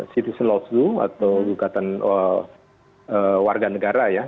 citizen law atau gugatan warga negara ya